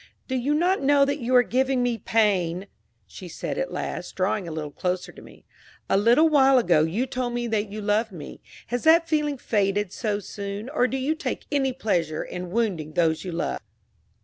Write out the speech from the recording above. "Do you not know that you are giving me pain?" she said at last, drawing a little closer to me. "A little while ago you told me that you loved me: has that feeling faded so soon, or do you take any pleasure in wounding those you love?"